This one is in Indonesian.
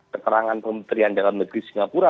keterangan kementerian dalam negeri singapura